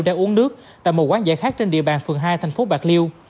đang uống nước tại một quán giải khác trên địa bàn phường hai thành phố bạc liêu